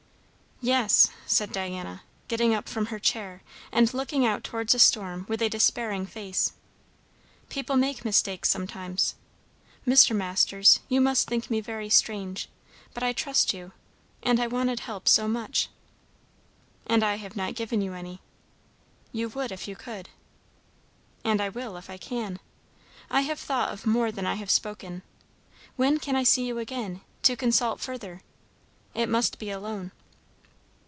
"Yes!" said Diana, getting up from her chair and looking out towards the storm with a despairing face; "people make mistakes sometimes. Mr. Masters, you must think me very strange but I trust you and I wanted help so much" "And I have not given you any." "You would if you could." "And I will if I can. I have thought of more than I have spoken. When can I see you again, to consult further? It must be alone."